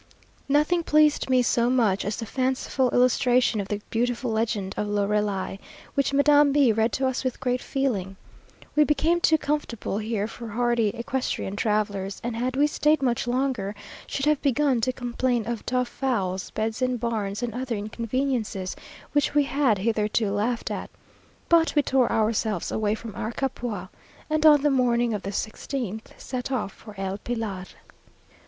Nothing pleased me so much as the fanciful illustration of the beautiful legend of Lorelei, which Madame B read to us with great feeling. We became too comfortable here for hardy equestrian travellers, and had we staid much longer should have begun to complain of tough fowls, beds in barns, and other inconveniences, which we had hitherto laughed at; but we tore ourselves away from our Capua, and on the morning of the sixteenth set off for El Pilar.